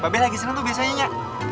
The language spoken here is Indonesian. babe lagi senang tuh biasanya nya